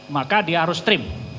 maka dia harus trim